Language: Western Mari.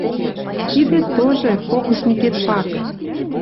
Кидет тоже — фокусникет пак!